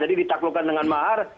jadi ditaklukan dengan mahal